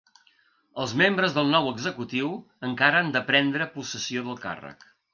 Els membres del nou executiu encara han de prendre possessió del càrrec.